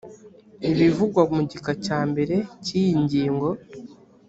ibivugwa mu gika cya mbere cy iyi ngingo